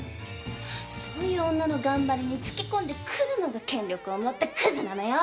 そういう女の頑張りにつけ込んでくるのが権力を持ったクズなのよ！